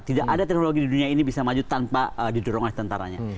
tidak ada teknologi di dunia ini bisa maju tanpa didorong oleh tentaranya